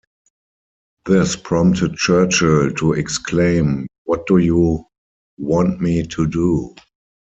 This prompted Churchill to exclaim: What do you want me to do?